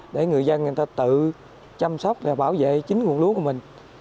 để người dân người ta tự chăm sóc bảo vệ chính nguồn lúa của mình